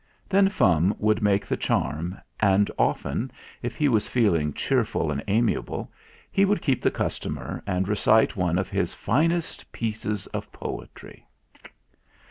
Then Fum would make the charm, and often, if he was feeling cheerful and amiable, he would keep the customer and recite one of his finest pieces of poetry.